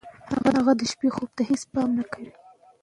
هغه د شپې خوب ته هېڅ پام نه کوي.